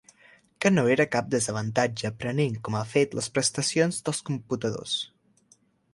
Que no era cap desavantatge prenent com a fet les prestacions dels computadors.